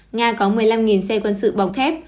nga có một mươi năm xe quân sự bọc thép